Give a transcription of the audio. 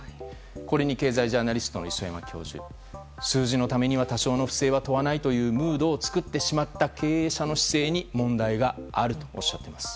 これに経済ジャーナリストの磯山教授数字のためには多少の不正は問わないというムードを作ってしまった経営者の姿勢に問題があるとおっしゃっています。